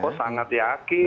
oh sangat yakin